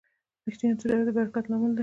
ریښتینی تجارت د برکت لامل دی.